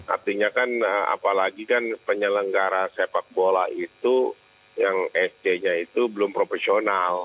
artinya kan apalagi kan penyelenggara sepak bola itu yang sd nya itu belum profesional